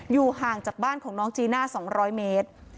อยู่ห่างจากบ้านของน้องจีน่า๒๐๐เมตร